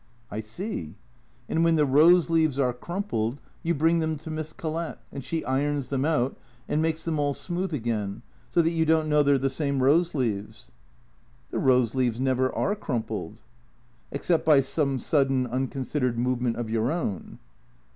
I see. And when the rose leaves are crumpled you bring them to Miss Collett, and she irons them out, and makes them all smooth again, so that you don't know they 're the same rose leaves ?"" The rose leaves never are crumpled." " Except by some sudden, unconsidered movement of your own